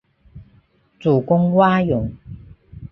主攻蛙泳。